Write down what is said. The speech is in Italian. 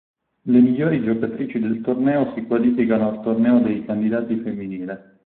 Le migliori giocatrici del torneo si qualificano al Torneo dei candidati femminile.